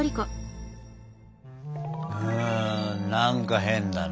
うん何か変だな。